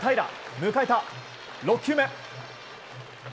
迎えた６球目。